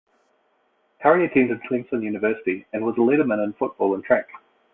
Currie attended Clemson University and was a letterman in football and track.